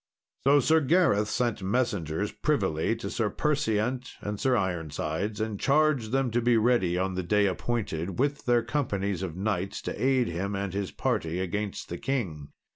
So Sir Gareth sent messengers privily to Sir Perseant and Sir Ironside, and charged them to be ready on the day appointed, with their companies of knights to aid him and his party against the king.